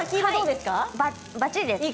ばっちりです。